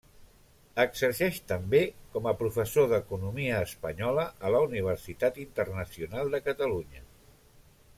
Exerceix també com a professor d'Economia Espanyola a la Universitat Internacional de Catalunya.